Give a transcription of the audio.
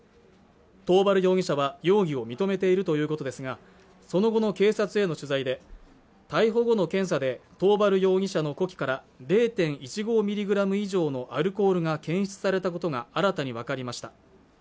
桃原容疑者は容疑を認めているということですがその後の警察への取材で逮捕後の検査で桃原容疑者の呼気から０．１５ミリグラム以上のアルコールが検出されたことが新たに分かりました